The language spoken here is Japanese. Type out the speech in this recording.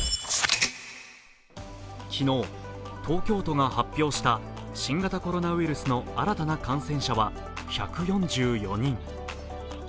昨日、東京都が発表した新型コロナウイルスの新たな感染者は１４４人。